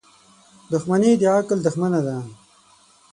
• دښمني د عقل دښمنه ده.